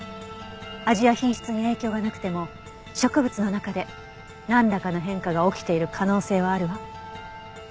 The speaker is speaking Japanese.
味や品質に影響がなくても植物の中でなんらかの変化が起きている可能性はあるわ。